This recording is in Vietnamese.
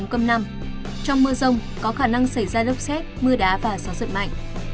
trong mưa rông có khả năng xảy ra lốc xét mưa đá và gió giật mạnh